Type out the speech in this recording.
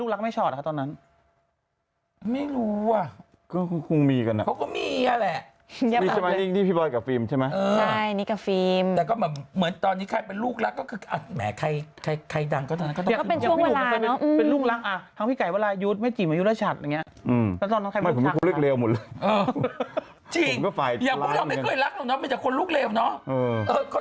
ลูกรักไม่ชอดล่ะครับคุณแม่เป็นลูกรักไม่ชอดล่ะครับคุณแม่เป็นลูกรักไม่ชอดล่ะครับคุณแม่เป็นลูกรักไม่ชอดล่ะครับคุณแม่เป็นลูกรักไม่ชอดล่ะครับคุณแม่เป็นลูกรักไม่ชอดล่ะครับคุณแม่เป็นลูกรักไม่ชอดล่ะครับคุณแม่เป็นลูกรักไม่ชอดล่ะครับคุณแม่เป็นลูก